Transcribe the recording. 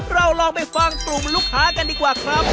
เราลองไปฟังกลุ่มลูกค้ากันดีกว่าครับ